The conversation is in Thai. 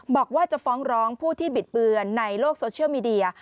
บอกว่าจะฟ้องร้องผู้ที่บิดเบือนในโลกโซเชียลมีเดีย